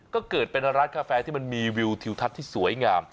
ก็เกิดเป็นร้านกาแฟที่มันมีวิวทิวทัศน์ที่สวยงาม